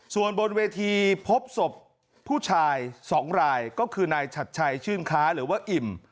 ส่วนบนเวทีพบศพผู้ชาย๒รายก็คือนายชัดชัยชื่นค้าหรือว่าอิ่ม